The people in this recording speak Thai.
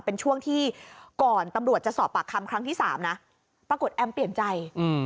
เป็นช่วงที่ก่อนตำรวจจะสอบปากคำครั้งที่สามนะปรากฏแอมเปลี่ยนใจ